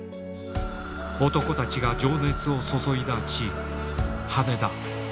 男たちが情熱を注いだ地羽田。